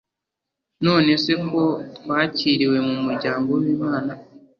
None se ko twakiriwe mu muryango w'Imana,